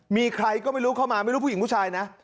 มีใครก็ไม่รู้เข้ามาไม่รู้ผู้หญิงผู้ชายนะ